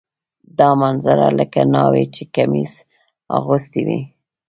دا منظره لکه ناوې چې کمیس اغوستی وي.